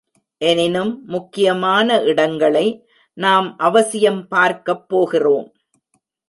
எனினும், முக்கியமான இடங்களை நாம் அவசியம் பார்க்கப் போகிறோம்.